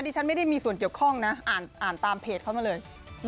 ฉันไม่ได้มีส่วนเกี่ยวข้องนะอ่านตามเพจเขามาเลย